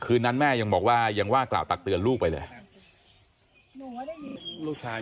คืนนั้นแม่ยังบอกว่ายังว่ากล่าวตักเตือนลูกไปเลย